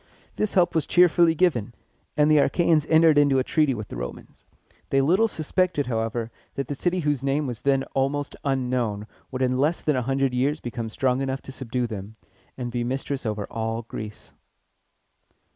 This help was cheerfully given, and the Achæans entered into a treaty with the Romans. They little suspected, however, that the city whose name was then almost unknown would in less than a hundred years become strong enough to subdue them, and be mistress over all Greece.